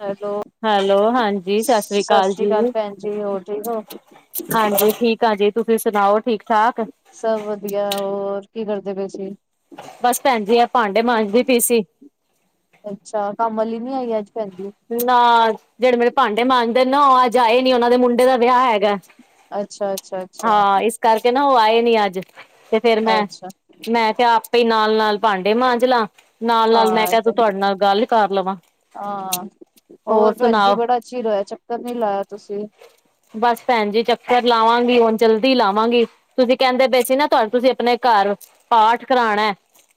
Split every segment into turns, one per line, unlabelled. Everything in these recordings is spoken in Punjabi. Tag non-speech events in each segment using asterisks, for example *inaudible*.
ਹੈਲੋ।
ਹੈਲੋ ਹਾਂਜੀ ਸਤਿ ਸ੍ਰੀ ਅਕਾਲ ਜੀ
ਭੈਣ ਜੀ, ਹੋਰ ਠੀਕ ਹੋ?
ਹਾਂਜੀ ਠੀਕ ਆ ਜੀ ਤੁਸੀਂ ਸੁਣਾਓ ਠੀਕ ਠਾਕ?
ਸਭ ਵਧੀਆ ਹੋਰ ਕੀ ਕਰਦੇ ਪਏ ਸੀ?
ਬਸ ਭੈਣ ਜੀ ਆ ਭਾਂਡੇ ਮਾਂਜਦੀ ਪਈ ਸੀ।
ਅੱਛਾ ਕੰਮ ਆਲੀ ਨੀ ਆਈ ਅੱਜ ਭੈਣਜੀ?
ਨਾ ਜੇੜੇ ਮੇਰੇ ਭਾਂਡੇ ਮਾਂਜਦੇ ਨੇ ਨਾ ਓ ਅੱਜ ਆਏ ਨੀ ਓਨਾਂ ਦੇ ਮੁੰਡੇ ਦਾ ਵਿਆਹ ਹੈਗਾ।
ਅੱਛਾ-ਅੱਛਾ-ਅੱਛਾ
ਹਾਂ ਇਸ ਕਰਕੇ ਨਾ ਓ ਆਏ ਨੀ ਅੱਜ ਤੇ ਫੇਰ
ਅੱਛਾ
ਮੈਂ-ਮੈਂ ਕਿਆ ਪਈ ਨਾਲ-ਨਾਲ ਭਾਂਡੇ ਮਾਂਜ ਲਾਂ ਨਾਲ-ਨਾਲ ਮੈਂ ਕਿਆ ਤੂੰ ਤੁਹਾਡੇ ਨਾਲ ਗੱਲ ਕਰ ਲਵਾਂ।
ਆ ਹੋਰ ਭੈਣ ਜੀ ਬੜਾ ਚਿਰ ਹੋਇਆ ਚੱਕਰ ਨੀ ਲਾਇਆ ਤੁਸੀਂ।
ਬਸ ਭੈਣ ਜੀ ਚੱਕਰ ਲਾਵਾਂਗੀ ਹੁਣ ਜਲਦੀ ਲਾਵਾਂਗੀ। ਤੁਸੀਂ ਕੈਂਦੇ ਪਏ ਸੀ ਨਾ ਤੁਹਾਡੇ ਤੁਸੀਂ ਆਪਣੇ ਘਰ ਪਾਠ ਕਰਾਣਾ।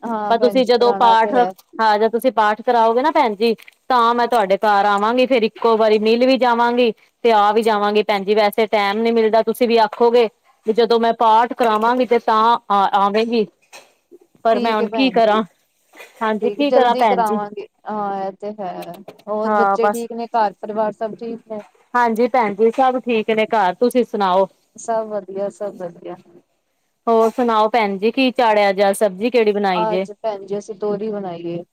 ਹਾਂ
ਪਰ
ਭੈਣ
ਤੁਸੀਂ
ਜੀ
ਜਦੋਂ
ਕਰਾਣਾ
ਪਾਠ
ਤੇ ਹੈ,
ਹਾਂ ਜ ਤੁਸੀਂ ਪਾਠ ਕਰਾਓਗੇ ਨਾ ਭੈਣ ਜੀ ਤਾਂ ਮੈਂ ਤੁਹਾਡੇ ਘਰ ਆਵਾਂਗੀ ਫੇਰ ਇੱਕੋ ਵਾਰੀ ਮਿਲ ਵੀ ਜਾਵਾਂਗੀ। ਤੇ ਆ ਵੀ ਜਾਵਾਂਗੇ ਭੈਣ ਜੀ ਵੈਸੇ ਟੈਮ ਨੀ ਮਿਲਦਾ ਤੁਸੀਂ ਵੀ ਆਖੋਗੇ। ਵੀ ਜਦੋਂ ਮੈਂ ਪਾਠ ਕਰਾਵਾਂਗੀ ਤੇ ਤਾਂ ਆ ਆਵੇਗੀ। ਪਰ ਮੈਂ
ਠੀਕ
ਹੁਣ
ਐ
ਕੀ
ਭੈਣਜੀ।
ਕਰਾਂ ਹਾਂਜੀ
ਠੀਕ
ਕੀ ਕਰਾਂ
ਜਲਦੀ
ਭੈਣ ਜੀ
ਕਰਾਵਾਂਗੇ ਹਾਂ ਐ ਤੇ ਹੈ। ਹੋਰ
ਹਾਂ
ਬੱਚੇ
ਬਸ
ਠੀਕ ਨੇ ਘਰ ਪਰਿਵਾਰ ਸਭ ਠੀਕ ਏ?
ਹਾਂਜੀ ਭੈਣ ਜੀ ਸਭ ਠੀਕ ਨੇ ਘਾਰ ਤੁਸੀਂ ਸੁਣਾਓ?
ਸਭ ਵਧੀਆ ਸਭ ਵਧੀਆ।
ਹੋਰ ਸੁਣਾਓ ਭੈਣ ਜੀ ਕੀ ਚਾੜਿਆ ਜੇ ਸਬਜੀ?
ਅੱਜ ਭੈਣ ਜੀ ਅਸੀਂ ਤੋਰੀ ਬਣਾਈਏ।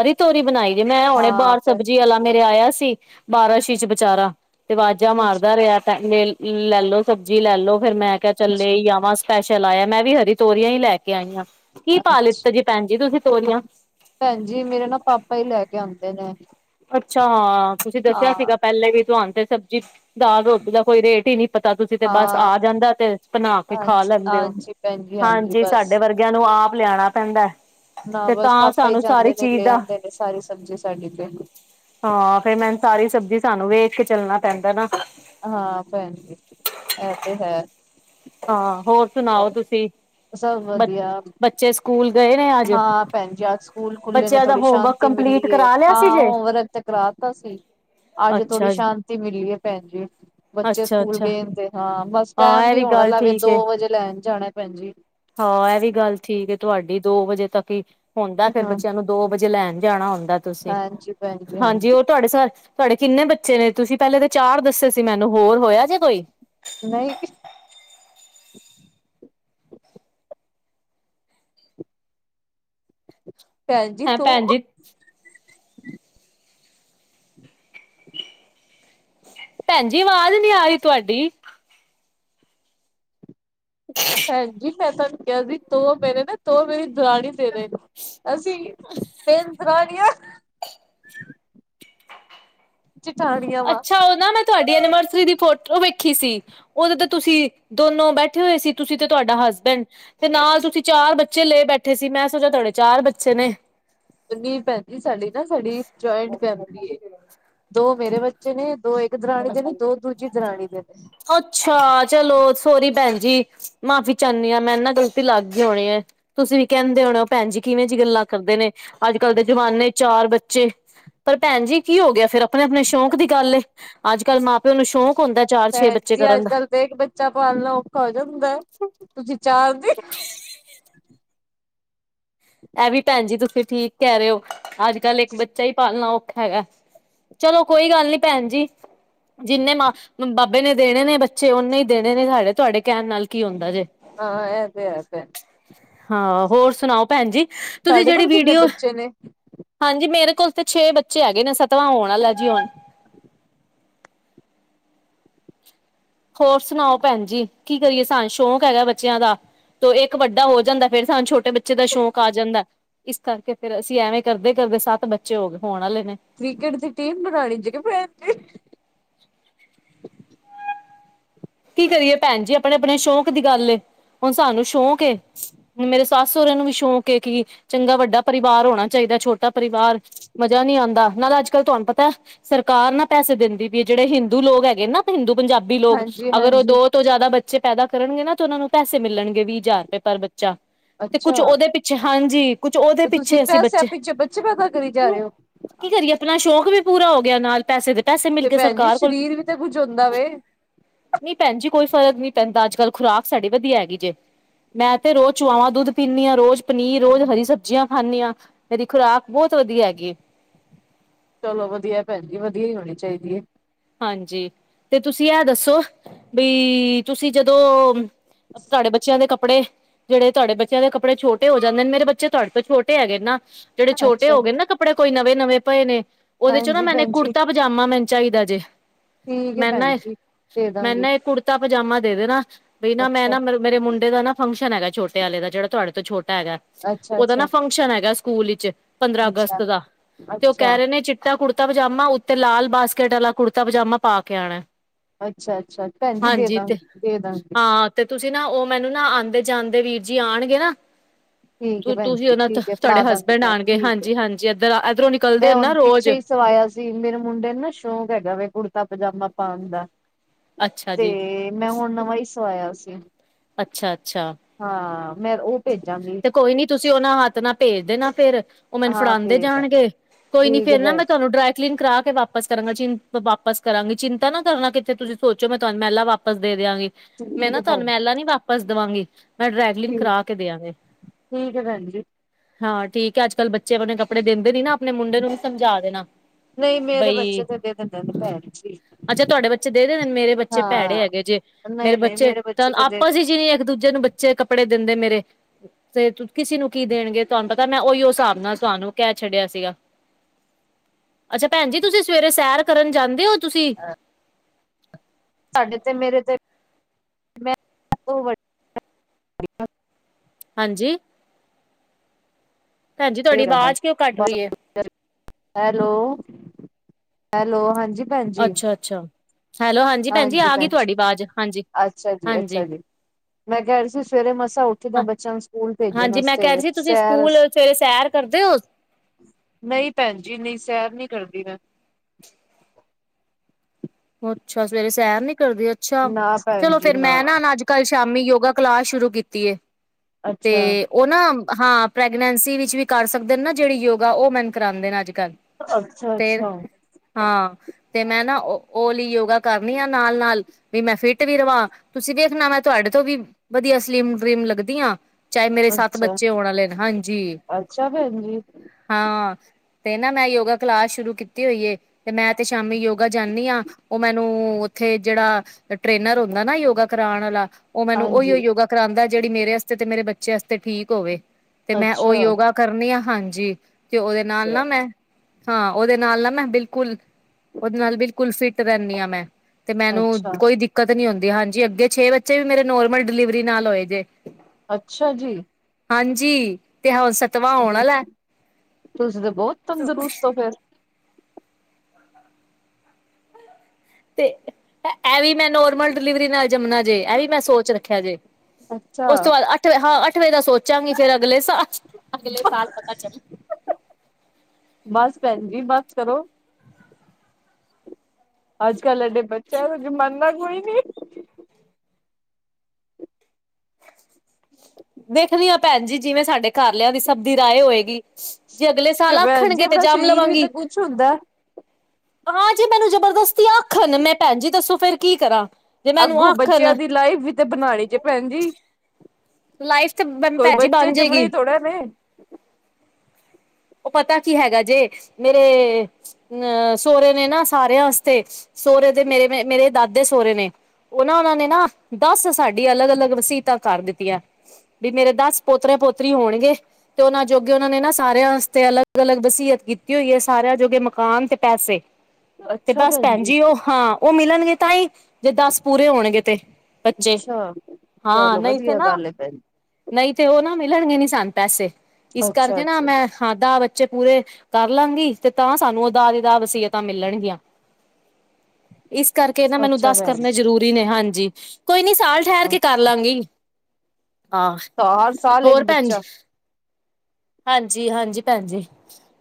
ਹਰੀ ਤੋਰੀ ਬਣਾਈ ਏ? ਮੈਂ ਹੁਣੇ
ਹਾਂ,
ਬਾਰ
ਭੈਣ,
ਸਬਜ਼ੀ ਵਾਲ ਆ ਮੇਰੇ ਆਇਆ ਸੀ ਬਾਰਾਂ ਛੀ ਚ ਵਿਚਾਰਾ ਤੇ ਵਾਜਾ
ਅੱਛਾ,
ਮਾਰਦਾ ਰਿਆ ਮੇਲ ਲੈਲੋ ਸਬਜ਼ੀ ਲੈ ਲੋ ਫੇਰ ਮੈਂ ਕਿਆ ਚੱਲ ਲੇ
ਅੱਛਾ,
ਈ ਆਵਾਂ ਸਪੈਸ਼ਲ ਆਇਆ ਮੈਂ ਵੀ ਹਰੀ ਤੋਰੀਆਂ ਈ ਲੈ ਕੇ ਆਈਆਂ। ਕੀ ਭਾ
ਅੱਛਾ।
ਲਿੱਤਾ ਜੀ ਭੈਣ ਜੀ ਤੁਸੀਂ ਤੋਰੀਆਂ?
ਭੈਣ ਜੀ ਮੇਰੇ ਨਾ ਪਾਪਾ ਈ ਲੈ ਕੇ ਆਂਦੇ ਨੇ।
ਅੱਛਾ ਹਾਂ ਤੁਸੀਂ
ਹਾਂ
ਦੱਸਿਆ ਸੀਗਾ ਪੈਲੇ ਵੀ ਤੁਆਨੂੰ ਤੇ ਸਬਜ਼ੀ ਦਾਲ ਰੋਟੀ ਦਾ ਕੋਈ ਰੇਟ ਈ ਨੀ ਪਤਾ ਤੁਸੀਂ ਤੇ ਬਸ
ਹਾਂ
ਆ ਜਾਂਦਾ ਤੇ ਬਣਾ ਕੇ ਖਾ
ਹਾਂਜੀ
ਲੈਂਦੇ ਓ
ਹਾਂਜੀ ਭੈਣ ਜੀ
ਹਾਂਜੀ
ਬਸ
ਸਾਡ ਡੇ ਵਰਗਿਆਂ ਨੂੰ ਆਪ ਲਿਆਣਾ ਪੈਂਦਾ ਤੇ ਤਾਂ ਸਾਨੂੰ ਸਾਰੀ ਚੀਜ਼ ਦਾ
ਏ ਸਾਰੀ ਸਬਜੀ ਸਾਡੇ ਤੇ
ਹਾਂ ਫੇਰ ਮੈ ਸਾਰੀ ਸਬਜ਼ੀ ਸਾਨੂੰ ਵੇਖ ਚੱਲਣਾ ਪੈਂਦਾ ਨਾ।
ਹਾਂ ਭੈਣ ਜੀ ਐ ਤੇ ਹੈ।
ਹਾਂ ਹੋਰ ਸੁਣਾਓ ਤੁਸੀਂ
ਸਭ
ਬ
ਵਧੀਆ
ਬੱਚੇ ਸ
ਹਾਂ ਭੈਣ ਜੀ ਅੱਜ ਸਕੂਲ ਖੁੱਲੇ ਨੇ
ਬੱਚਿਆਂ ਦਾ
ਥੋੜ੍ਹੀ
ਹੋਮਵਰਕ
ਸ਼ਾਂਤੀ ਮਿਲੀ
ਕੰਪਲੀਟ
ਏ
ਕਰਾ ਲਿਆ ਸੀ
ਹਾਂ
ਜੇ
ਹੋਮਵਰਕ ਤੇ ਕਰਾਤਾ ਸੀ ਅੱਜ ਥੋੜੀ
ਅੱਛਾ ਜੀ
ਸ਼ਾਂ ਤੀ ਮਿਲੀ ਐ ਭੈਣ ਜੀ ਬੱਚੇ
ਅੱਛਾ
ਸਕੂਲ
ਅੱਛਾ
ਗਏ ਦੇ ਹਾਂ ਬਸ
ਹਾਂ
ਟੈਮ
ਇਹ
ਵੀ ਹੋਣ
ਗੱਲ
ਵਾਲਾ ਵੇ
ਠੀਕ ਏ
ਦੋ ਵਜੇ ਲੈਣ ਜਾਣੈ ਭੈਣ ਜੀ।
ਹਾਂ ਐਹ ਵੀ ਗੱਲ ਠੀਕ ਏ ਤੁਆਡੀ ਦੋ ਵਜੇ ਤੱਕ ਹੀ ਹੁੰਦੈ ਫੇਰ
ਹਾਂ
ਬੱਚਿਆਂ ਨੂੰ ਦੋ ਵਜੇ ਲੈਣ ਜਾਣੈ ਹੁੰਦੈ ਤੁਸੀਂ
ਹਾਂਜੀ ਭੈਣ ਜੀ
ਹਾਂਜੀ ਓਹ ਤੁਆਡੇ ਸਚ ਤੁਐਡੇ ਕਿੰਨੇ ਬੱਚੇ ਨੇ? ਤੁਸੀਂ ਪੈਲੇ ਤੇ ਚਾਰ ਦੱਸੇ ਸੀ ਮੈਨੂੰ ਹੋਰ ਹੋਯਾ ਜੇ ਕੋਈ?
ਨਹੀਂ ਕਿ ਭੈਣਜੀ
ਹੈਂ
ਤੋ
ਭੈਣ ਜੀ ਭੈਣ ਜੀ ਅਵਾਜ਼ ਨੀ ਆ ਰੀ ਤੁਵਾਡੀ?
ਭੈਣਜੀ ਮੈਂ ਤਾਨੂੰ ਕਿਆ ਸੀ ਦੋ ਮੇਰੇ ਨਾ ਦੋ ਮੇਰੀ ਦਰਾਣੀ ਦੇ ਨੇ ਅਸੀਂ ਤੇਨ ਦਰਾਣੀਆਂ ਜਠਾਣੀਆਂ ਵਾ
ਅੱਛਾ ਓ ਨਾ ਮੈਂ ਤੁਆਡੀ ਐਨੀਮਰਸਰੀ ਦੀ ਫੋਟੋ ਵੇਖੀ ਸੀ। ਓਦੇ ਤੇ ਤੁਸੀਂ ਦੋਨੋ ਬੈਠੇ ਹੋਏ ਸੀ ਤੁਸੀਂ ਤੇ ਤੁਆਡਾ ਹਸਬੈਂਡ। ਤੇ ਨਾਲ ਤੁਸੀਂ ਚਾਰ ਬੱਚੇ ਲੇ ਬੈਠੇ ਸੀ ਮੈਂ ਸੋਚਿਆ ਤੁਆਡੇ ਚਾਰ ਬੱਚੇ ਨੇ।
ਨੀ ਭੈਣ ਜੀ ਸਾਡੀ ਨਾ ਸਾਡੀ ਜੋਇੰਟ ਫੈਮਿਲੀ ਏ ਦੋ ਮੇਰੇ ਬ ਚੇ ਨੇ ਦੋ ਏਕ ਦਰਾਣੀ ਦੇ ਨੇ ਦੋ ਦੂਜੀ ਦਰਾਣੀ ਦੇ ਨੇ।
ਅੱਛਾ ਚਲੋ ਸੋਰੀ ਭੈਣ ਜੀ ਮਾਫ਼ੀ ਚਾਹਣੀ ਆਂ ਮੈਨ ਨਾ ਗ਼ਲਤੀ ਲੱਗ ਗੀ ਹੋਣੀ ਏ। ਤੁਸੀਂ ਵੀ ਕੈੰਦੇ ਹੋਣੇ ਔ ਭੈਣ ਜੀ ਕਿਵੇਂ ਜੀ ਗੱਲਾਂ ਕਰਦੇ ਨੇ ਅੱਜ-ਕੱਲ੍ਹ ਦੇ ਜਮਾਨੇ ਚ ਚਾਰ ਬੱਚੇ। ਪਰ ਭੈਣ ਜੀ ਕੀ ਹੋ ਗਿਆ ਫੇਰ ਅਪਣੇ-ਅਪਣੇ ਸ਼ੌਂਕ ਦੀ ਗੱਲ ਏ। ਅੱਜ ਕੱਲ੍ਹ ਮਾਂ ਪਿਓ ਨੂੰ ਸ਼ੌਂਕ ਹੁੰਦਾ ਚਾਰ ਛੇ ਬੱਚੇ
ਭੈਣਜੀ
ਕਰਨ ਦਾ
ਅੱਜ-ਕਲ ਤੇ ਏਕ ਬੱਚਾ ਪਾਲਣਾ ਔਖਾ ਹੋ ਜਾਂਦੈ। ਤੁਸੀਂ ਚਾਰ ਦੇ
ਐ ਵੀ ਭੈਣ ਜੀ ਤੁਸੀਂ ਠੀਕ ਕੈ ਰੇਔ, ਅੱਜ-ਕੱਲ ਇੱਕ ਬੱਚਾ ਈ ਪਾਲਣਾ ਔ ਖਾ ਹੈਗਾ ਚਲੋ ਕੋਈ ਗੱਲ ਨੀ ਭੈਣ ਜੀ। ਜਿੰਨੇ ਮਾ ਬਾਬੇ ਨੇ ਦੇਣੇ ਨੇ ਬੱਚੇ ਨੇ ਔਣੇ ਈ ਦੇਣੇ ਨੇ ਸਾਡੇ ਤੁਐਡੇ ਕੈਣ ਨਾਲ ਕੀ ਹੁੰਦਾ ਜੇ।
ਹਾਂ ਇਹ ਤੇ ਹੈ ਭੈਣ
ਹਾਂ ਹੋਰ ਸੁਣਾਓ? ਭੈਣਜੀ ਤੁਸੀ
ਤੁਹਾਡੇ
ਜੇੜੀ
ਕੋਲ ਕਿੰਨੇ
ਵੀਡੀਓ
ਬੱਚੇ ਨੇ
ਹਾਂਜੀ, ਮੇਰੇ ਕੋਲ ਤੇ ਛੇ ਬੱਚੇ ਹੈਗੇ ਨੇ ਸੱਤਵਾਂ ਹੋਣ ਵਾਲਾ ਜੀ ਹੁਣ ਹੋਰ ਸੁਣਾਓ ਭੈਣ ਜੀ, ਕੀ ਕਰੀਏ ਸਾਨੂੰ ਸ਼ੌਕ ਹੈਗਾ ਬੱਚਿਆਂ ਦਾ। ਤੋ ਏਕ ਵੱਡਾ ਹੋ ਜਾਂਦੈ ਫੇਰ ਸਾਨੂੰ ਛੋਟ ਟੇ ਬੱਚੇ ਦਾ ਸ਼ੌਂਕ ਆ ਜਾਂਦਾ, ਇਸ ਕਰਕੇ ਫੇਰ ਅਸੀਂ ਐਵੇਂ ਕਰਦੇ-ਕਰਦੇ ਸੱਤ ਬੱਚੇ ਹੋਗੇ ਹੋਣ ਆਲੇ ਨੇ।
ਕ੍ਰਿਕੇਟ ਦੀ ਟੀਮ ਬਣਾਣੀ ਜੇ ਕੇ ਭੈਣ ਜੀ।
ਕੀ ਕਰੀਏ ਭੈਣ ਜੀ ਅਪਣੇ-ਅਪਣੇ ਸ਼ੌਂਕ ਦੀ ਗੱਲ ਏ। ਹੁਣ ਸਾਨੂੰ ਸ਼ੌਕ ਏ, ਹੁਣ ਮੇਰੇ ਸੱਸ ਸੋਰੇਆਂ ਨੂੰ ਵੀ ਸ਼ੌਕ ਏ ਕੀ ਚੰਗਾ ਵੱਡਾ ਪਰਿਵਾਰ ਹੋਣਾ ਚਾਈਦਾ ਐ, ਛੋਟਾ ਪਰਿਵਾਰ ਮਜ਼ਾ ਨੀ ਆਦਾ ਨਾਲ ਅੱਜ-ਕੱਲ੍ਹ ਤੁਆਨੂੰ ਪਤਾ ਐ ਸਰਕਾਰ ਨਾ ਪੈਸੇ ਦੇੰਦੀ ਪੀ ਏ, ਜੇੜੇ ਹਿੰਦੂ ਲੋਗ ਹੈਗੇ ਨਾ ਹਿੰਦੂ ਪੰਜਾਬੀ ਲੋਗ
ਹਾਂਜੀ ਹਾਂਜੀ
ਦੋ ਤੋਂ ਜੈਦਾ ਬੱਚੇ ਪੈਦਾ ਕਰਨਗੇ ਨਾ ਤੇ ਓਨਾਂ ਨੂੰ ਪੈਸੇ ਮਿਲਣਗੇ, ਵੀਹ ਹਜ਼ਾਰ ਰੁਪਏ ਪਰ ਬੱਚਾ। ਤੇ
ਅੱਛਾ
ਕੁੱਛ ਓਦੇ ਪਿੱ ਹਾਂਜੀ, ਕੁਛ ਓਦੇ
ਤੇ ਤੁਸੀਂ
ਪਿੱਛੇ ਅਸੀ
ਪੈਸਿਆਂ ਪਿੱਛੇ ਬੱਚੇ ਪੈਦਾ ਕਰੀ ਜਾ
ਬੱਚੇ--ਕਿਉਂ?
ਰਹੇ ਹੋ
ਕੀ ਕਰੀਏ ਅਪਣਾ ਸ਼ੌਕ ਵੀ ਪੂਰਾ ਹੋ ਗਿਆ ਨਾਲ ਪੈਸੇ ਦੇ ਪੈਸੇ ਮਿਲਗੇ
ਭੈਣ ਜੀ
ਸਰਕਾਰ ਕੋਲ
ਸਰੀਰ ਵੀ ਤੇ ਕੁੱਝ ਹੁੰਦਾ ਵੇ।
ਨੀ ਭੈਣ ਜੀ, ਕੋਈ ਫਰਕ ਨੀ ਪੈਂਦਾ, ਅੱਜ-ਕੱਲ ਖੁਰਾਕ ਸਾਡੀ ਵਧੀਆ ਹੈਗੀ ਜੇ‌। ਮੈਂ ਤੇ ਰੋਜ਼ ਚੁਆਵਾਂ ਦੁੱਧ ਪੀਂਣੀ ਆਂ। ਰੋਜ਼ ਪਨੀਰ, ਰੋਜ਼ ਹਰੀ ਸਬਜ਼ੀਆਂ ਖਾਂਣੀ ਆਂ। ਮੇਰੀ ਖੁਰਾਕ ਬੋਤ ਵਧੀਆ ਹੈਗੀ ਏ।
ਚਲੋ ਵਧੀਐ ਭੈਣ ਜੀ, ਵਧੀਆ ਹੀ ਹੋਣੀ ਚਾਈਦੀ ਏ।
ਹਾਂਜੀ, ਤੇ ਤੁਸੀਂ ਐ ਦੱਸੋ ਬਈ ਤੁਸੀਂ ਜਦੋਂ ਤੁਆਡੇ ਬੱਚਿਆਂ ਦੇ ਕੱਪੜੇ ਜੇੜੇ ਤੁਆਡੇ ਬੱਚਿਆਂ ਦੇ ਕੱਪੜੇ ਛੋਟੇ ਹੋ ਜਾਂਦੇਣ ਮੇਰੇ ਬੱਚੇ ਤੁਆਡੇ ਤੋ ਛੋਟੇ ਹੈਗੇਣ ਨਾ, ਜੇੜੇ ਛੋਟੇ
ਅੱਛਾ
ਹੋਗੇ ਨਾ ਕੱਪ ਕੱਪੜੇ ਕੋਈ ਨਵੇਂ -ਨਵੇਂ ਪਏ ਨੇ, ਓਦੇ ਚੋਂ ਨਾ
ਹਾਂਜੀ
ਮੈਨ ਏਕ
ਭੈਣ ਜੀ
ਕੁੜਤਾ-ਪਜਾਮਾ ਮੈਨੂੰ ਚਾਈਦਾ ਜੇ।
ਠੀਕ ਹੈ
ਮੈਂ ਨਾ
ਭੈਣ
ਏਹ
ਜੀ ਦੇ
ਮੈ
ਦਾਂਗੀ
ਨਾ ਏਕ ਕੁੜਤਾ-ਪਜਾਮਾ ਦੇ ਦੇਣਾ ਬਈ ਨਾ ਮੈਂ
ਅੱਛਾ
ਨਾ ਮੇਰ- ਮੇਰੇ ਮੁੰਡੇ ਦਾ ਨਾ ਫੰਕਸ਼ਨ ਹੈਗਾ ਛੋਟੇ ਆਲੇ ਦਾ ਜੇੜਾ ਤੁਆਡੇ ਤੋਂ ਛੋਟਾ ਹੈਗਾ,
ਅੱਛਾ
ਓਦਾ ਨਾ
ਅੱਛਾ
ਫੰਕਸ਼ਨ ਹੈਗਾ। ਸ -ਕੂਲ ਵਿੱਚ ਪੰਦਰਾਂ
ਅੱਛਾ
ਅਗਸਤ ਦਾ, ਤੇ ਓਹ
ਅੱਛਾ
ਕੈ ਰੇ ਨੇ ਚਿੱ -ਟਾ ਕੁੜਤਾ-ਪਜਾਮਾ ਉੱਤੇ ਲਾਲ ਬਾਸਕੇਟ ਆਲਾ ਕੁੜਤਾ- ਪਜਾਮਾ ਪਾ ਕੇ ਆਣਾ ਐ।
ਅੱਛਾ-ਅੱਛਾ, ਭੈਣ ਜੀ ਦੇ ਦਾਂਗੀ, ਦੇ ਦਾਂਗੀ਼।
ਹਾਂ ਤੇ ਤੁਸੀਂ ਨਾ ਉਹ ਮੈਨੂੰ ਨਾ ਆਉਂਦੇ ਜਾਂਦੇ ਵੀਰ ਜੀ ਆਣਗੇ ਨਾ,
ਠੀਕ ਹੈ
ਤੇ
ਭੈਣ
ਤੁਸੀਂ
ਜੀ
ਉਨਾ ਹੱਥ
ਠੀਕ ਹੈ
ਤੁਹਾਡੇ
ਪੜ੍ਹਾ ਦਾਂਗੀ
ਹਸਬੈਂਡ
ਮੈਂ
ਆਣਗੇ,
ਠੀਕ ਹੈ
ਹਾਂਜੀ -ਹਾਂਜੀ ਇਧਰ- ਇਧਰੋਂ
ਮੈਂ
ਨਿਕਲਦੇ ਨਾ
ਹੁਣ
ਰੋਜ਼
ਪਿੱਛੇ ਹੀ ਸਵਾਇਆ ਸੀ, ਮੇਰੇ ਮੁੰਡੇ ਨੇ ਨਾ ਸ਼ੌਕ ਹੈਗਾ ਵੈ ਕੁੜਤਾ ਪਜਾਮਾ ਪਾਣ ਦਾ।
ਅੱਛਾ
ਤੇ
ਜੀ
ਮੈਂ ਹੁਣ ਨਵਾਂ ਈ ਸਵਾਇਆ ਸੀ।
ਅੱਛਾ, ਅੱਛਾ।
ਹਾਂ ਮੈਂ ਉਹ ਭੇਜਾਂਗੀ
ਤੇ ਕੋਈ ਨੀ ਤੁਸੀਂ ਉਹਨਾਂ ਹੱਥ ਨਾਲ ਭੇਜ ਦੇ ਨਾ ਫੇਰ ਉਹ ਮੈਨ
ਹਾਂ
ਫੜਾਂਦੇ
ਭੇਜਦਾ
ਜਾਣਗੇ, ਕੋਈ ਨੀ
ਠੀਕ ਹੈ
ਫੇਰ ਨਾ
ਭੈਣ
ਮੈਂ ਤੁਆਨੂੰ ਡਰਾਈ -ਕਲੀਨ ਕਰਾ ਕੇ ਵਾਪਸ ਕਰਾਂਗਾ ਚਿੰਤ ਵਾਪਸ ਕਰਾਂਗੀ ਚਿੰਤਾ ਨਾ ਕਰਨਾ ਕਿੱਥੇ ਤੁਸੀਂ ਸੋਚੋ ਮੈਂ ਤੁਆਨੂੰ ਮੈਲਾ ਵਾਪਸ ਦੇ ਦਿਆਂਗੀ। ਮੈਂ
ਠੀਕ
ਨਾ
ਹੈ
ਤੁਆਨੂੰ
ਭੈਣ
ਮੈਲਾ ਨੀ ਵਾਪਸ ਦੇਵਾਂਗੀ, ਮੈਂ ਡਰੈਕਲੀਨ
ਠੀਕ
ਕਰਾ ਕ
ਠੀਕ ਹੈ ਭੈਣ ਜੀ
ਹਾਂ ਠੀਕ ਐ ਅੱਜ- ਕੱਲ ਬੱਚੇ ਆਪਣੇ ਕੱਪੜੇ ਦਿੰਦੇ ਨੀ ਨਾ ਅ ਆਪਣੇ ਮੁੰਡੇ ਨੂੰ ਵੀ ਸਮਝਾ ਦੇਣਾ।
ਨਈ ਮੇਰੇ
ਬਈ
ਬੱਚੇ ਤੇ ਦੇ ਦੇਦੇ ਣ ਭੈਣ ਜੀ।
ਅੱਛਾ ਤੁਹਾਡੇ ਬੱਚੇ ਦੇ ਦੇਦੇ ਮੇਰੇ ਬੱਚੇ ਭੈੜੇ
ਹਾਂ।
ਹੈਗੇ ਜੇ, ਮੇਰੇ
ਨਹੀਂ ਨਹੀਂ
ਬੱਚੇ ਤਾਂ
ਤੇ ਦੇ
ਆਪਸ ਹੀ ਜਿਨੀ
ਦਿੰਦੇ
ਇੱਕ ਦੂਜੇ ਨੂੰ ਬੱਚ ਚੇ ਕੱਪੜੇ ਦਿੰਦੇ ਮੇਰੇ ਤੇ ਕਿਸੇ ਨੂੰ ਕੀ ਦੇਣਗੇ ਤੁਹਾਨੂੰ ਪਤਾ ਮੈਂ ਉਹੀਓ ਹਿਸਾਬ ਨਾਲ ਤੁਆਨੂੰ ਕਹਿ ਛੱਡਿਆ ਸੀਗਾ।
*inaudible*
ਅੱਛਾ ਭੈਣ ਜੀ ਤੁਸੀਂ ਸਵੇਰੇ ਸੈਰ ਕਰਨ ਜਾਂਦੇ ਹੋ ਤੁਸੀਂ?
ਅ ਸਾਡੇ ਤੇ ਮੇਰੇ ਤੇ ਓ ਵੱ
ਹਾਂਜੀ। ਭੈਨ ਜੀ
ਵੱਡੇ
ਤੁਆਡੀ ਵਾਜ਼ ਕਿਓਂ ਕੱਟ
ਬਸ
ਰਈ ਏ।
ਹੈਲੋ, ਹੈਲੋ ਹਾਂਜੀ। ਭੈਣ ਜੀ
ਅੱਛਾ-ਅੱਛਾ, ਹੈਲੋ ਹਾਂਜੀ ਭੈਨ ਜੀ ਆ ਗਈ
ਭੈਣ ਜੀ।
ਤੁਆਡੀ ਵਾਜ਼
ਅੱਛਾ ਜੀ ਅੱਛਾ
ਹਾਂਜੀ-ਹਾਂਜੀ।
ਜੀ ਮੈਂ ਕੈ ਰਈ ਸੀ ਸਵੇਰੇ ਮਸਾਂ ਉੱਠੀ ਦੈ ਬੱਚੇਆਂ ਨੂੰ ਸਕੂਲ ਭੇਜਨ
ਹਾਂਜੀ ਮੈਂ
ਵਾਸਤੇ
ਕਹਿ ਰਹੀ ਸੀ ਤੁਸੀਂ
ਸੈ
ਸਕੂਲ ਸਵੇਰੇ ਸੈਰ ਕਰਦੇ ਓਂ।
ਨਈਂ ਭੈਨ ਜੀ ਨਈਂ, ਸੈਰ ਨੀ ਕਰਦੀ ਮੈਂ।
ਅੱਛਾ ਸਵੇਰੇ ਸੈਰ ਨੀ ਕਰਦੇ ਅੱਛਾ,
ਨਾ ਭੈਣ
ਚਲੋ
ਜੀ
ਫੇਰ ਮੈਂ ਨਾ ਆਨਾ ਅੱਜ ਕੱਲ ਸ਼ਾਮੀ ਯੋਗਾ ਕਲਾਸ ਸ਼ੁਰੂ ਕੀਤੀ ਏ, ਤੇ
ਅੱਛਾ
ਓ ਨਾ ਹਾਂ ਪ੍ਰੈਗਨੈਂਸੀ ਵਿੱਚ ਵੀ ਕਰ ਸਕਦੇ ਨਾ ਜੇੜੀ ਯੋਗਾ ਓ ਮੈਮ ਕਰਾਂਦੇ ਨੇ ਅੱਜ-ਕੱਲ।
ਅੱਛਾ-ਅੱਛਾ।
ਹਾਂ, ਤੇ ਮੈਂ ਨਾ ਓ ਬੋਲ ਈ ਯੋਗਾ ਕਰਨੀ ਆ ਨਾਲ-ਨਾਲ ਵੀ ਮੈਂ ਫਿਟ ਵੀ ਰਵਾਂ, ਤੁਸੀਂ ਵੇਖਣਾ ਮੈਂ ਤੁਆਡੇ ਤੋਂ ਵੀ ਵਦੀਆ ਸਲਿਮ ਡ੍ਰਿਮ ਲੱਗਦੀ ਆਂ। ਚਾਏ ਮੇਰੇ ਸੱਤ
ਅੱਛਾ
ਬੱਚੇ ਹੋਨ ਆਲੇ ਨੇ ਹਾਂਜੀ,
ਅੱਛਾ ਭੈਣ ਜੀ
ਹਾਂ। ਤੇ ਨਾ ਮੈਂ ਯੋਗਾ ਕਲਾਸ ਸ਼ੁਰੂ ਕੀਤੀ ਹੋਈ ਏ ਤੇ ਮੈਂ ਤੇ ਸ਼ਾਮੀ ਯੋਗਾ ਜਾਂਨੀ ਆ। ਓ ਮੈਨੂੰ ਓਥੇ ਜੇੜਾ ਟ੍ਰੇਨਰ ਹੁੰਦਾ ਨਾ ਯੋਗਾ ਕਰਾਨ ਆਲਾ ਓ ਮੈਨੂੰ ਓਹੀਓ
ਹਾਂਜੀ
ਯੋਗਾ ਕਰਾਂਦਾ ਜੇੜੀ ਮੇਰੇ ਵਸਤੇ ਤੇ ਮੇਰੇ ਬੱਚੇ ਵਾਸਤੇ ਠੀਕ ਹੋਵੇ ਤੇ ਮੈਂ ਓ
ਅੱਛਾ
ਯੋਗਾ ਕਰਨੀ ਆ ਹਾਂਜੀ, ਤੇ ਓਦੇ ਨਾਲ ਨਾ
ਅੱਛਾ
ਮੈਂ ਹਾਂ ਓਦੇ ਨਾਲ ਨਾ ਮੈਂ ਬਿਲਕੁਲ, ਓਦੇ ਨਾਲ ਬਿਲਕੁਲ ਫਿਟ ਰੈਨੀ ਆਂ ਮੈਂ। ਤੇ ਮੈਨੂੰ
ਅੱਛਾ
ਕੋਈ ਦਿੱਕਤ ਨੀ ਹੁੰਦੀ ਹਾਂਜੀ ਅੱਗੇ ਛੇ ਬੱਚੇ ਵੀ ਮੇਰੇ ਨੋਰਮਲ ਡਿਲੀਵਰੀ ਨਾਲ ਹੋਏ ਦੇ।
ਅੱਛਾ ਜੀ।
ਹਾਂਜੀ, ਤੇ ਹੁਨ ਸੱਤ
ਚਲੋ, ਤੁਸੀਂ ਤਾਂ ਬੋਤ ਤੰਦਰੁਸਤ ਓਂ ਫੇਰ।
ਤੇ ਐ ਵੀ ਮੈਂ ਨੋਰਮਲ ਡਿਲੀਵਰੀ ਨਾਲ ਜੰਮਨਾ ਜੇ ਐ ਵੀ ਮੈਂ ਸੋਚ ਰੱਖੇਆ ਜੇ।
ਅੱਛਾ
ਉਸ ਤੋਂ ਬਾਦ ਅੱਠ ਹਾਂ ਅੱਠਵੇਂ ਦਾ ਸੋਚਾਂਗੀ ਫੇਰ ਅਗਲੇ ਸਾਲ। ਅਗਲੇ ਸਾਲ ਪਤਾ ਚੱਲੇ
ਬਸ ਭੈਨ ਜੀ ਬਸ ਕਰੋ। ਅੱਜ-ਕੱਲ ਐਡੇ ਬੱਚਿਆ ਦਾ ਜ਼ਮਾਨਾ ਕੋਈ ਨੀ।
ਦੇਖਦੀ ਆ ਭੈਨ ਜੀ ਜਿਵੇਂ ਸਾਡੇ ਘਰਲਿਆਂ ਦੀ ਸਬ ਦੀ ਰਾਏ ਹੋਏਗੀ। ਜੇ ਅਗਲੇ
ਤੇ
ਸਾਲ
ਭੈਣ ਜੀ
ਆਖਨਗੇ ਤੇ
ਆਪਣਾ
ਜੰਮ
ਸਰੀਰ ਵੀ
ਲਵਾਂਗੀ।
ਤਾਂ ਕੁਛ ਹੁੰਦਾ
ਹਾਂ ਜੇ ਮੈਨੂੰ ਜਬਰਦਸਤੀ ਆਖਨ ਨਾ ਮੈਂ ਭੈਨ ਜੀ ਦੱਸੋ ਫੇਰ ਕੀ ਕਰਾਂ। ਜੇ ਮੈਨੂੰ
ਅੱਗੋਂ ਬੱਚੇਆਂ
ਆਖਣ
ਦੀ ਲਾਈਫ ਵੀ ਤੇ ਬਨਾਨੀ ਜੇ ਭੈਨ ਜੀ।
ਲਾਈਫ ਤੇ
ਕੋਈ
ਭੈਣ ਜੀ
ਬੱਚੇ
ਬਣ
ਜੰਮਨੇ ਈ
ਜੇਗੀ।
ਥੋੜਾ ਨੇ।
ਓ ਪਤਾ ਕੀ ਹੈਗਾ ਜੇ ਮੇਰੇ ਨ ਸੋਰੇ ਨੇ ਨਾ ਸਾਰਿਆਂ ਵਾਸਤੇ ਸੋਰੇ ਦੇ ਮੇਰੇ ਮੇਰੇ ਦਾਦੇ ਸੋਰੇ ਨੇ ਓਨਾਂ-ਓਨਾਂ ਨੇ ਨਾ ਦਸ ਸਾਡੀ ਅਲੱਗ-ਅਲੱਗ ਵਸੀਤਾਂ ਕਰ ਦਿੱਤੀਆਂ। ਵੀ ਮੇਰੇ ਦਸ ਪੋਤਰੇ-ਪੋਤਰੀ ਹੋਨਗੇ। ਤੇ ਓਨਾਂ ਜੋਗੇ, ਓਨਾਂ ਨੇ ਨਾ ਸਾਰਿਆਂ ਵਾਸਤੇ ਅਲੱਗ-ਅਲੱਗ ਵਸੀਅਤ ਕੀਤੀ ਹੋਈ ਏ ਸਾਰਿਆਂ ਜੋਗੇ ਮਕਾਨ ਤੇ ਪੈਸੇ, ਤੇ
ਅੱਛਾ
ਬਸ
ਭੈਣ
ਭੈਨ ਜੀ ਔ ਹਾਂ। ਓ ਮਿਲਗੇ ਤਾਂਈ, ਜੇ ਦਸ ਪੂਰੇ ਹੋਨਗੇ ਤੇ ਬੱਚੇ,
ਅੱਛਾ
ਹਾਂ
ਚਲੋ
ਨਈਂ ਤੇ
ਵਧੀਆ
ਨਾ
ਗੱਲ ਹੈ ਭੈਣ
ਨਈਂ ਤੇ ਉਹ ਨਾ ਮਿਲਣਗੇ ਨੀ ਸਾਨ ਪੈਸੇ, ਇਸ
ਅੱਛਾ
ਕਰਕੇ ਨਾ
ਅੱਛਾ
ਮੈਂ ਹਾਂ, ਦਾ ਬੱਚੇ ਪੂਰੇ ਕਰ ਲਾਂਗੀ, ਤੇ ਤਾਂ ਸਾਨੂੰ ਉਹ ਦਾਹ ਦੀ ਦਾਹ ਵਸੀਅਤਾਂ ਮਿਲਣਗੀਆਂ।
*inaudible*
ਇਸ ਕਰਕੇ ਨਾ, ਮੈਨੂੰ
ਅੱਛਾ
ਦੱਸ
ਭੈਣ ਜੀ
ਕਰਨੇ ਜ਼ਰੂਰੀ ਨੇ ਹਾਂਜੀ, ਕੋਈ ਨੀ ਸਾਲ ਠਹਿਰ ਕੇ ਕਰ ਲਾਂਗੀ। ਆਹ
ਤਾ‌ ਹਰ ਸਾਲ, ਇੱਕ
ਹੋਰ ਭੈਣ ਜੀ
ਬੱਚਾ?
ਹਾਂਜੀ-ਹਾਂਜੀ ਭੈਨ ਜੀ,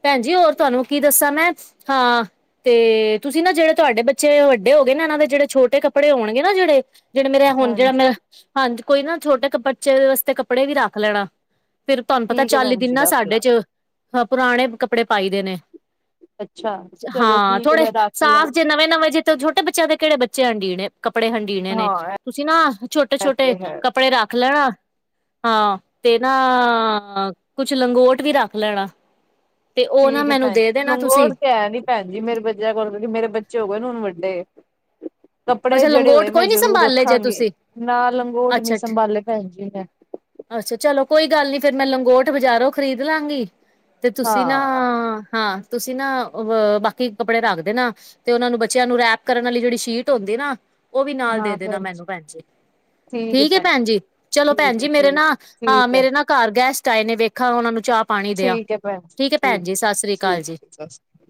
ਭੈਨ ਜੀ ਹੋਰ ਤੁਹਾਨੂੰ ਕੀ ਦੱਸਾ ਮੈਂ, ਹਾਂ। ਤੇ, ਤੁਸੀ ਨਾ ਜਿਹੜੇ ਤੁਹਾਡੇ ਬੱਚੇ ਵੱਡੇ ਹੋ ਗਏ ਨਾ, ਇਹਨਾਂ ਦੇ ਜਿਹੜੇ ਛੋਟੇ ਕੱਪੜੇ ਹੋਣਗੇ ਨਾ ਜਿਹੜੇ ਜਿਹੜੇ ਮੇਰਾ ਹੁਣ ਜਿਹੜਾ
ਹਾਂਜੀ
ਮੇਰਾ, ਹਾਂਜੀ ਕੋਈ ਨਾ, ਛੋਟੇ ਕਪ ਬੱਚੇ ਵਾਸਤੇ ਕੱਪੜੇ ਵੀ ਰੱਖ ਲੈਣਾ। ਫਿਰ ਤੁਹਾਨੂੰ ਪਤਾ
ਠੀਕ ਹੈ
ਚਾਲੀ
ਭੈਣ
ਦਿਨ
ਜੀ
ਨਾ
ਰੱਖ
ਸਾਡੇ
ਲਾ
'ਚ, ਪੁਰਾਣੇ ਕੱਪੜੇ ਪਾਈ ਦੇ ਨੇ।
ਅੱਛਾ ਚਲੋ
ਹਾਂ,
ਠੀਕ ਹੈ
ਥੋੜੇ
ਮੈਂ ਰੱਖ ਲਾ
ਸਾਫ਼ ਜੇ ਨਵੇਂ-ਨਵੇਂ ਜੇ 'ਤੇ ਛੋਟੇ ਬੱਚਿਆਂ ਦੇ ਕਿਹੜੇ ਬੱਚੇ ਹੰਡੀਣੇ? ਕੱਪੜੇ ਹੰਡੀਣੇ ਨੇ,
ਹਾਂ
ਤੁਸੀਂ ਨਾ
ਇਹ
ਛੋਟੇ-ਛੋਟੇ
ਤੇ ਹੈ
ਕੱਪੜੇ ਰੱਖ ਲੈਣਾ। ਹਾਂ, ਤੇ ਨਾ ਕੁਛ ਲੰਗੋਟ ਵੀ ਰੱਖ ਲੈਣਾ। 'ਤੇ ਉਹ ਨਾ ਮੈਨੂੰ ਦੇ ਦੇਣਾ ਤੁਸੀਂ।
ਭੈਨਜੀ, ਮੇਰੇ ਬੱਚਿਆਂ ਕੋਲ, ਮੇਰੇ ਬੱਚੇ ਹੋ ਗਏ ਨੇ ਹੁਣ ਵੱਡੇ। ਕੱਪੜੇ
ਅੱਛਾ
ਜਿਹੜੇ ਹੋਏ
ਲੰਗੋਟ
ਮੈਂ
ਕੋਈ ਨੀ
ਜ਼ਰੂਰ
ਸੰਭਾਲੇ ਜੇ
ਰੱਖਾਂਗੀ,
ਤੁਸੀਂ
ਨਾ ਲੰਗੋਟ ਨੀ
ਅੱਛਾ
ਸੰਭਾਲੇ ਭੈਣ ਜੀ, ਮੈਂ।
ਅੱਛਾ, ਚਲੋ ਕੋਈ ਗੱਲ ਨੀ ਫੇਰ ਮੈਂ ਲੰਗੋਟ ਬਜ਼ਾਰੋਂ ਖਰੀਦ ਲਾਂਗੀ। 'ਤੇ ਤੁਸੀਂ ਨਾ,
ਹਾਂ
ਹਾਂ। ਤੁਸੀਂ ਨਾ, ਅ ਬਾਕੀ ਕੱਪੜੇ ਰੱਖ ਦੇਨਾ, ਤੇ ਉਨ੍ਹਾਂ ਨੂੰ ਬੱਚਿਆਂ ਨੂੰ ਰੈਪ ਕਰਨ ਵਾਲੀ ਜਿਹੜੀ ਸ਼ੀਟ ਹੁੰਦੀ ਨਾ, ਉਹ ਵੀ ਨਾਲ ਦੇ
ਹਾਂ
ਦੇਣਾ
ਭੈਣ
ਮੈਨੂੰ ਭੈਨ ਜੀ। ਠੀਕ ਹੈ ਭੈਨ ਜੀ, ਚਲੋ ਭੈਨ
ਠੀਕ ਹੈ
ਜੀ, ਮੇਰੇ
ਠੀਕ
ਨਾ
ਠੀਕ ਹੈ
ਮੇਰੇ ਨਾ ਘਰ ਗੈਸਟ ਆਏ ਨੇ, ਵੇਖ ਖਾ ਉਹਨਾਂ ਨੂੰ, ਮੈ ਚਾਹ-ਪਾਣੀ ਦਿਆਂ,
ਠੀਕ ਹੈ ਭੈਣ ਜੀ
ਠੀਕ ਹੈ ਭੈਣ ਜੀ, ਸਸਰੀ ਕਾਲ
ਠੀਕ
ਜੀ।
ਸਤਿ ਸ਼੍ਰੀ ਅਕਾਲ